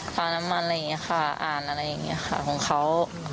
ปลาน้ำมันอะไรอย่างนี้ค่ะอ่านอะไรอย่างนี้ค่ะของเขา